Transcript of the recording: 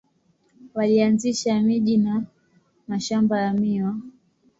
Walianzisha miji na mashamba ya miwa.